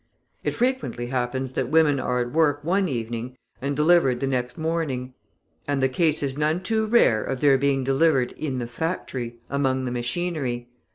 It frequently happens that women are at work one evening and delivered the next morning, and the case is none too rare of their being delivered in the factory among the machinery.